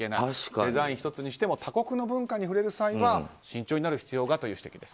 デザイン１つにしても他国の文化に触れる際は慎重になる必要がという指摘です。